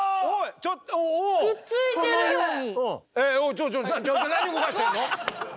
ちょちょちょっと何動かしてんの？